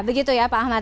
begitu ya pak ahmad ya